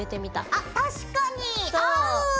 あっ確かに合う！